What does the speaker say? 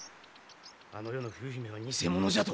あの夜の冬姫は偽者じゃと！？